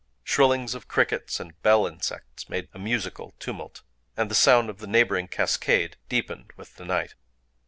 Shrillings of crickets and bell insects (3) made a musical tumult; and the sound of the neighboring cascade deepened with the night.